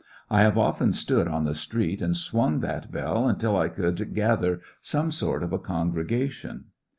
I have often stood on the street and swung that bell until I could gather some sort of a congregation.